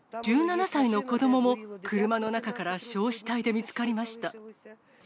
１７歳の子どもも、車の中から焼死体で見つかりました。